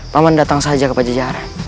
paman datang saja ke pajajaran